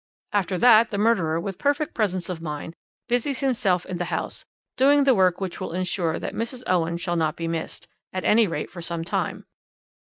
"After that the murderer, with perfect presence of mind, busies himself in the house, doing the work which will ensure that Mrs. Owen shall not be missed, at any rate, for some time.